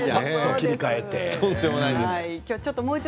切り替えて。